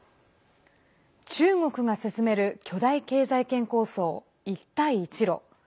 中国が進める巨大経済圏構想一帯一路。